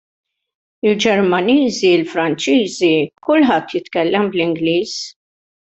Il-Ġermaniżi, il-Franċiżi, kulħadd jitkellem bl-Ingliż.